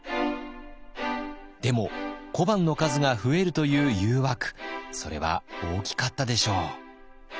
でも小判の数が増えるという誘惑それは大きかったでしょう。